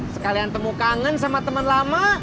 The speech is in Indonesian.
sekalian temu kangen sama teman lama